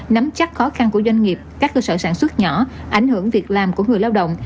nắm chắc khó khăn của doanh nghiệp các cơ sở sản xuất nhỏ ảnh hưởng việc làm của người lao động